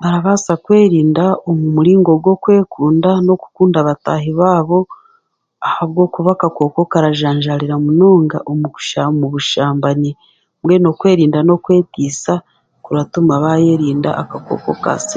barabaasa kwerinda omu muringo gw'okwekunda n'okukunda bataahi baabo ahabwokuba akakooko karajaanjaarira munonga omu kusha, mubushambani mbwenu kwerinda n'okwetiisa kuratumba baayerinda akakooko ka siri.